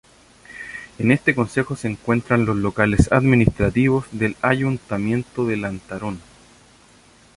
En este concejo se encuentran los locales administrativos del Ayuntamiento de Lantarón.